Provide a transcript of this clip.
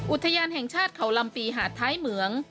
อุทยานแห่งชาติเขาลำปีหาดท้ายเหมือง